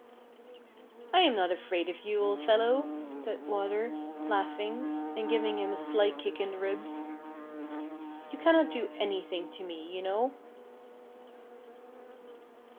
"I am not afraid of you, old fellow," said Water, laughing, and giving him a sly kick in the ribs. "You cannot do anything to me, you know."